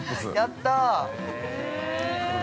やったー。